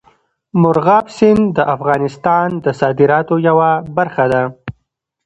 مورغاب سیند د افغانستان د صادراتو یوه برخه ده.